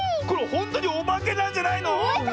ほんとにおばけなんじゃないの⁉